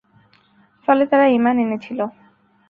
ফলে তারা ঈমান এনেছিল।